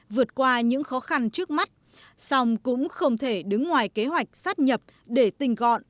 vượt qua những khó khăn trước mắt song cũng không thể đứng ngoài kế hoạch sát nhập để tinh gọn